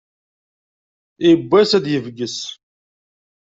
Yiwwas ad d-yebges.